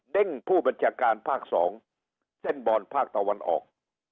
เด้งผู้บัญชาการภาค๒เส้นบอลภาคตะวันออก